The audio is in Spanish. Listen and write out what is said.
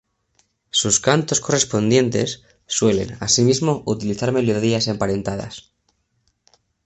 Sus cantos correspondientes, suelen, asimismo, utilizar melodías emparentadas.